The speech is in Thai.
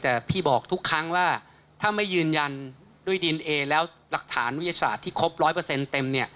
แต่พี่บอกทุกครั้งว่าถ้าไม่ยืนยันด้วยดีเอนเอแล้วหลักฐานวิทยาศาสตร์ที่ครบ๑๐๐เต็ม